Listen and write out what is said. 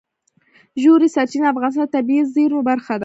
ژورې سرچینې د افغانستان د طبیعي زیرمو برخه ده.